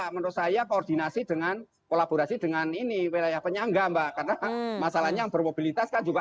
keberanian kolaborasi dengan ini wilayah penyangga mbak karena masalahnya yang bermobilitas kan juga